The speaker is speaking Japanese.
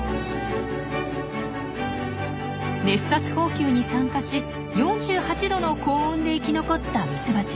熱殺蜂球に参加し４８℃の高温で生き残ったミツバチ。